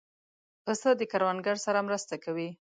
پسه د کروندګر سره مرسته کوي.